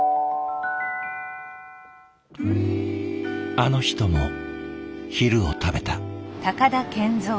あの人も昼を食べた。